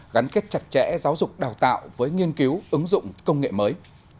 gắn kết chặt chẽ giáo dục đào tạo với nghiên cứu ứng dụng công nghệ mới